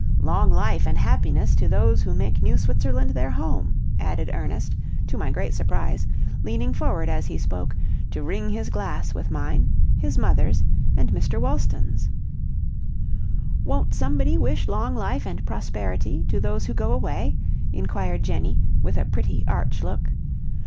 "Long life and happiness to those who make New Switzerland their home!" added Ernest, to my great surprise, leaning forward as he spoke, to ring his glass with mine, his mother's, and Mr. Wolston's. "Won't somebody wish long life and prosperity to those who go away?" inquired Jenny, with a pretty, arch look.